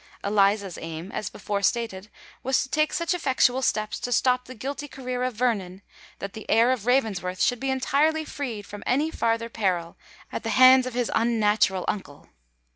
Eliza's aim, as before stated, was to take such effectual steps to stop the guilty career of Vernon, that the heir of Ravensworth should be entirely freed from any farther peril at the hands of his unnatural uncle.